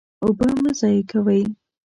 اوبه مه ضایع کوئ.